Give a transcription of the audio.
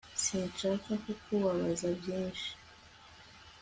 sinshaka kukubabaza byinshi